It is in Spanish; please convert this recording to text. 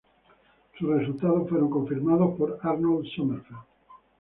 Sus resultados fueron confirmados por Arnold Sommerfeld.